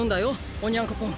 オニャンコポン。